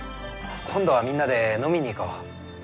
今度はみんなで飲みに行こう。